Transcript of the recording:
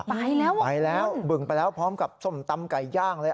ไปแล้วไปแล้วบึงไปแล้วพร้อมกับส้มตำไก่ย่างเลย